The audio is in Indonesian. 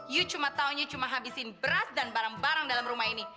you cuma taunya cuma habisin beras dan barang barang dalam rumah ini